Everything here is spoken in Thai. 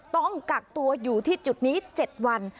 ต้องกักตัวอยู่ที่จุดนี้๗วัน